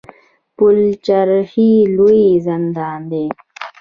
پل چرخي لوی زندان دی